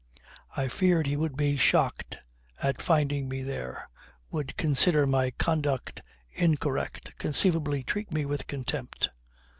I feared he would be shocked at finding me there, would consider my conduct incorrect, conceivably treat me with contempt.